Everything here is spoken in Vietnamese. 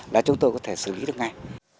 là chúng tôi có thể xử lý được ngay